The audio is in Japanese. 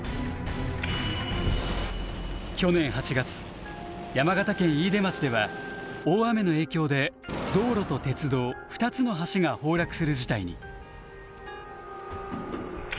去年８月山形県飯豊町では大雨の影響で道路と鉄道２つの橋が崩落する事態に。